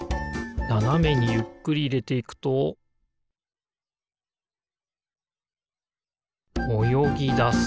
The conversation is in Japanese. ななめにゆっくりいれていくとおよぎだす